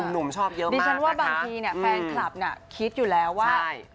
หนุ่มชอบเยอะมากดิฉันว่าบางทีเนี่ยแฟนคลับน่ะคิดอยู่แล้วว่า